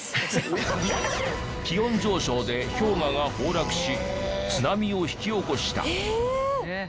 気温上昇で氷河が崩落し津波を引き起こした。